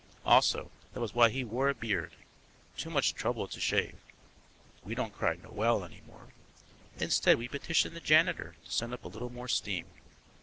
Also, that was why he wore a beard; too much trouble to shave. We don't cry Nowel any more; instead we petition the janitor to send up a little more steam.